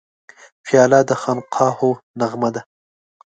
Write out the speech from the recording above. پیاله د خانقاهو نغمه ده.